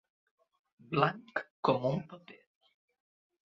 Blanc com un paper.